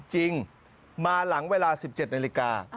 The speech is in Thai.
จริงมาหลังเวลา๑๗นาฬิกา